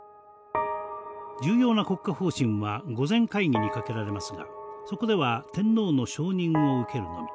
重要な国家方針は御前会議にかけられますがそこでは天皇の承認を受けるのみ。